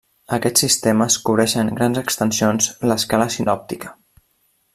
Aquests sistemes cobreixen grans extensions l'escala sinòptica.